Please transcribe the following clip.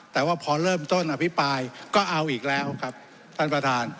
แต่ว่าพอเริ่มต้นอภิปรายก็เอาอีกแล้วครับท่านประธาน